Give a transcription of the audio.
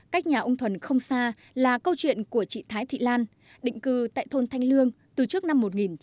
các nhà ung thuần không xa là câu chuyện của chị thái thị lan định cư tại thôn thanh lương từ trước năm một nghìn chín trăm tám mươi